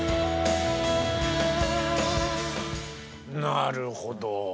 なるほど。